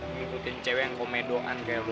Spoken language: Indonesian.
ngikutin cewek komedoan kayak lo tuh